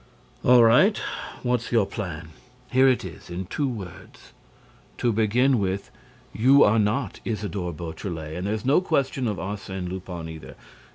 "All right. What's your plan?" "Here it is, in two words. To begin with, you are not Isidore Beautrelet and there's no question of Arsène Lupin either.